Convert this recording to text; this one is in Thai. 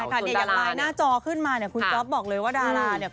แต่อย่างลายหน้าจอขึ้นมาคุณก๊อฟบอกเลยว่าดาราเนี่ย